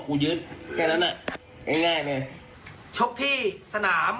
สรุปต่อยพรุ่งนี้นะเทศเกษียม๔๒